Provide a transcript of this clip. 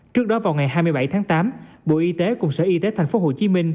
trước đó vào ngày hai mươi bảy tháng tám bộ y tế cùng sở y tế tp hcm